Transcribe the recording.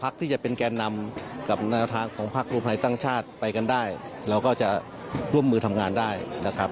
ที่จะเป็นแกนนำกับแนวทางของพักรวมไทยสร้างชาติไปกันได้เราก็จะร่วมมือทำงานได้นะครับ